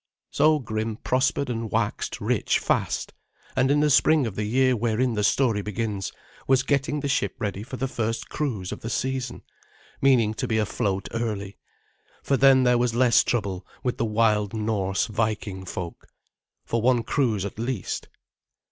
So Grim prospered and waxed rich fast, and in the spring of the year wherein the story begins was getting the ship ready for the first cruise of the season, meaning to be afloat early; for then there was less trouble with the wild Norse Viking folk, for one cruise at least.